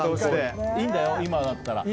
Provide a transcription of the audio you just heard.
いいんだよ、今だったら。